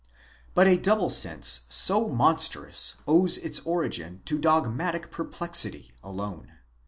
But a double sense so monstrous owes its origin to dogmatic perplexity alone.